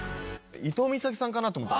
伊東美咲さんかなと思った。